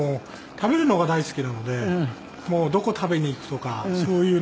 食べるのが大好きなのでもうどこ食べに行くとかそういうのがはい。